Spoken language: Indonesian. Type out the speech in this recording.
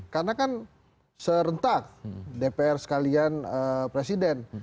karena kan serentak dpr sekalian presiden